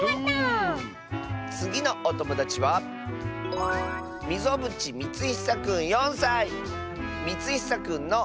つぎのおともだちはみつひさくんの。